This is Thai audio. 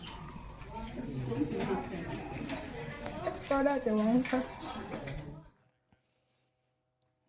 ก็ได้แต่หวังค่ะ